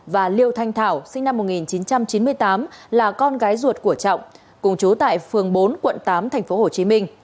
và liêu thanh thảo sinh năm một nghìn chín trăm chín mươi tám là con gái ruột của trọng cùng chú tại phường bốn quận tám tp hcm